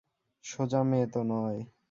সোজা মেয়ে তো নয়।